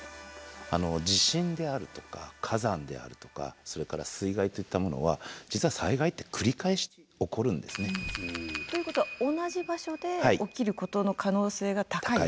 地震であるとか火山であるとかそれから水害といったものは実は災害って繰り返し起こるんですね。ということは同じ場所で起きることの可能性が高い？